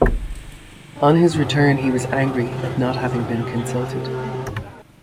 On his return he was angry at not having been consulted.